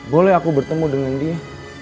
boleh aku bertemu dengan dia